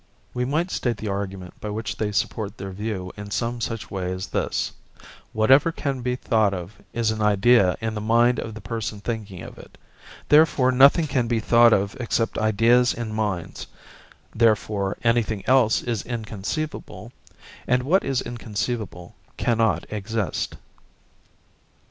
We might state the argument by which they support their view in some such way as this: 'Whatever can be thought of is an idea in the mind of the person thinking of it; therefore nothing can be thought of except ideas in minds; therefore anything else is inconceivable, and what is inconceivable cannot exist.'